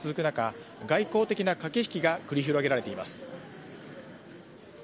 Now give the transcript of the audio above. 中外交的な駆け引きが繰り広げられています。